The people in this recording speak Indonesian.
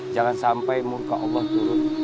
jangan sampai muka allah turun